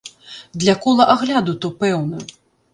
Для кола агляду то пэўна!